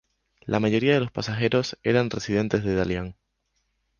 La mayoría de los pasajeros eran residentes de Dalian.